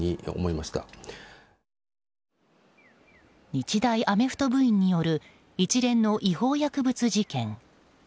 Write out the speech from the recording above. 日大アメフト部員による一連の違法薬物事件。